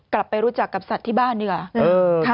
กลับไปรู้จักกับสัตว์ที่บ้านดีกว่า